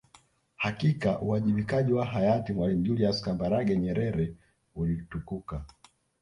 Hakika uwajibikaji wa hayati Mwalimu Julius Kambarage Nyerere ulitukuka